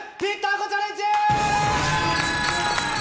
こチャレンジ。